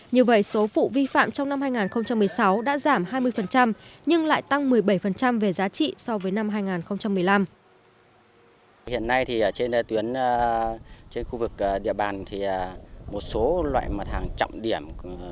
như vậy số vụ vi phạm trong năm hai nghìn một mươi sáu đã giảm hai mươi nhưng lại tăng một mươi bảy về giá trị so với năm hai nghìn một mươi năm